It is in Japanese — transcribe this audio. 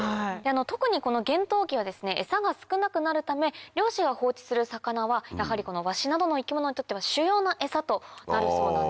特にこの厳冬期は餌が少なくなるため漁師が放置する魚はやはりワシなどの生き物にとっては主要な餌となるそうなんですね。